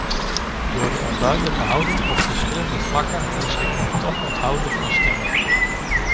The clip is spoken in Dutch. Door de onduidelijke houding op verschillende vlakken moest ik me toch onthouden van stemming.